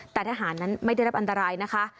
แต่ทหารนั้นไม่ได้รับอันตรายนะคะ